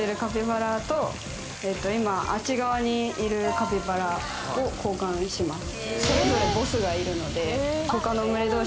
今あっち側にいるカピバラを交換します。